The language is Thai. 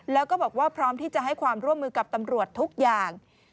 แล้วก็บอกว่าพร้อมที่จะให้ความร่วมมือกับตำรวจทุกอย่าง